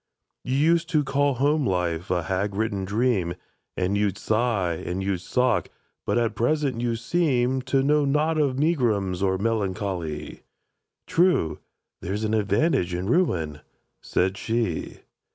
—"You used to call home life a hag ridden dream, And you'd sigh, and you'd sock; but at present you seem To know not of megrims or melancho ly!"— "True. There's an advantage in ruin," said she.